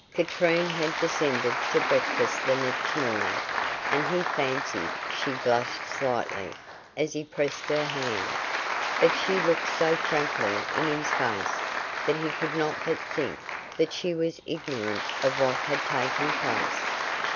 Katrine had descended to breakfast the next morning, and he fancied she blushed slightly as he pressed her hand; but she looked so frankly in his face that he could not but think that she was ignorant of what had taken place.